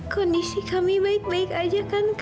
kondisi kami baik baik aja kan